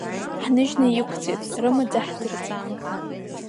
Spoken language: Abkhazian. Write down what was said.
Ҳныжьны иқәҵит, рымаӡа ҳдырҵан…